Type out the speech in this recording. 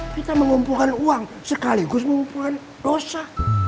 kita mengumpulkan uang sekaligus mengumpulkan dosa